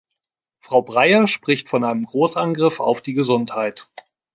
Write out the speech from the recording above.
Frau Breyer spricht von einem Großangriff auf die Gesundheit.